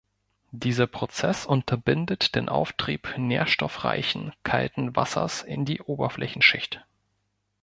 Dieser Prozess unterbindet den Auftrieb nährstoffreichen, kalten Wassers in die Oberflächenschicht.